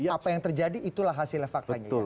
apa yang terjadi itulah hasilnya faktanya ya